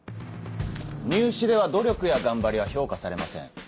入試では努力や頑張りは評価されません。